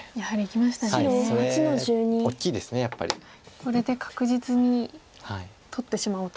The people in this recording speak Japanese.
これで確実に取ってしまおうと。